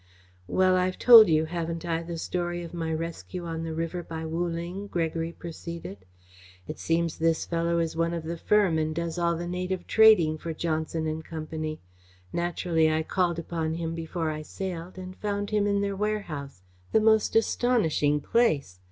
"Well, I've told you, haven't I, the story of my rescue on the river by Wu Ling?" Gregory proceeded. "It seems this fellow is one of the firm and does all the native trading for Johnson and Company. Naturally I called upon him before I sailed and found him in their warehouse the most astonishing place!